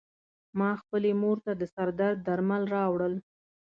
ما خپلې مور ته د سر درد درمل راوړل .